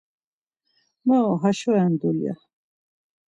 Moro, haşo ren dulya.